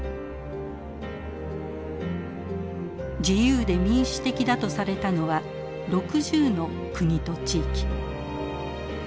自由で民主的だとされたのは６０の国と地域。